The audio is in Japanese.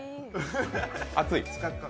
熱い？